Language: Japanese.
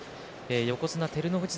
横綱照ノ富士